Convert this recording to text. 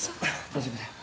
大丈夫だよ。